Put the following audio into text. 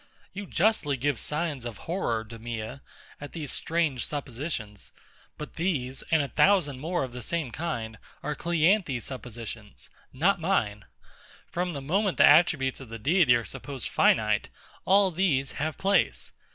You justly give signs of horror, DEMEA, at these strange suppositions; but these, and a thousand more of the same kind, are CLEANTHES's suppositions, not mine. From the moment the attributes of the Deity are supposed finite, all these have place.